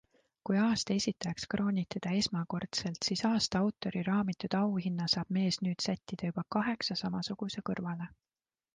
Kui aasta esitajaks krooniti ta esmakordselt, siis aasta autori raamitud auhinna saab mees nüüd sättida juba kaheksa samasuguse kõrvale.